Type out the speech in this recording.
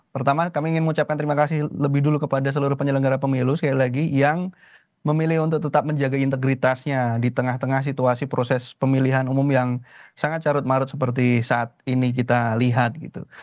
pertama kami ingin mengucapkan terima kasih lebih dulu kepada seluruh penyelenggara pemilu sekali lagi yang memilih untuk tetap menjaga integritasnya di tengah tengah situasi proses pemilihan umum yang sangat carut marut seperti saat ini kita lihat gitu